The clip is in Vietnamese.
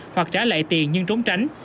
hoặc trả lại tiền nhưng trốn tránh